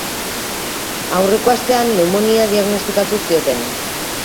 Aurreko astean pneumonia diagnostikatu zioten.